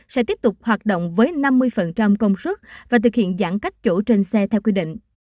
sẽ tiếp tục hoạt động với năm mươi công suất và thực hiện giãn cách chỗ trên xe theo quy định